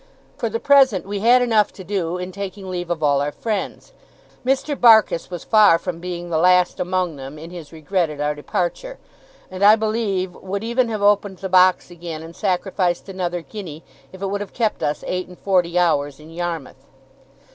For the present we had enough to do, in taking leave of all our friends. Mr. Barkis was far from being the last among them, in his regret at our departure; and I believe would even have opened the box again, and sacrificed another guinea, if it would have kept us eight and forty hours in Yarmouth.